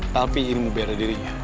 tapi ini mau biar ada dirinya